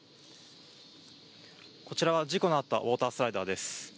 こちらは事故のあったウォータースライダーです。